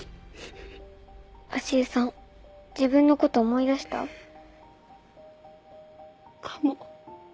足湯さん自分のこと思い出した？かも。